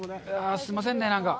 すいませんね、なんか。